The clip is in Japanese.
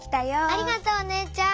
ありがとうお姉ちゃん。